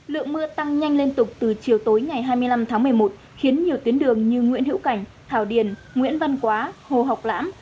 lượng mưa tăng nhanh liên tục từ chiều tối ngày hai mươi năm tháng một mươi một khiến nhiều tuyến đường như nguyễn hữu cảnh thảo điền nguyễn văn quá hồ học lãm